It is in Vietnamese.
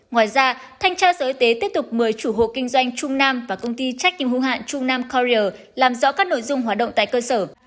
ngoài ra thanh tra sở y tế tiếp tục mời chủ hộ kinh doanh trung nam và công ty trách nhiệm hữu hạn trung nam core làm rõ các nội dung hoạt động tại cơ sở